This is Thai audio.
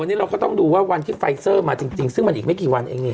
วันนี้เราก็ต้องดูว่าวันที่ไฟเซอร์มาจริงซึ่งมันอีกไม่กี่วันเองนี่